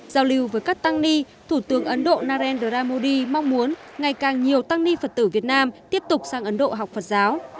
giao lưu với các tăng ni thủ tướng ấn độ narendra modi mong muốn ngày càng nhiều tăng ni phật tử việt nam tiếp tục sang ấn độ học phật giáo